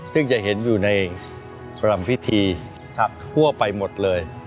ซึ่งจะเห็นอยู่ในรำพิธีทั่วไปหมดเลย